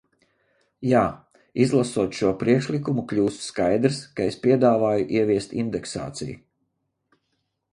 Jā, izlasot šo priekšlikumu, kļūst skaidrs, ka es piedāvāju ieviest indeksāciju.